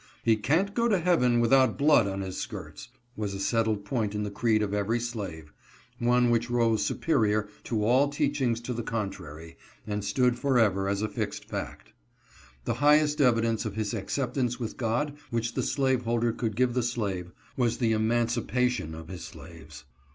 " He can' t go to heaven without blood on his skirts," was a settled point in the creed of every slave ; one which rose superior to all teachings to the contrary and stood forever as a fixed fact. The highest evidence of his acceptance with God which the slaveholder could give the slave, was the emancipation of his slaves.